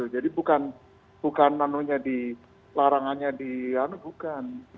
jadi bukan larangannya di bukan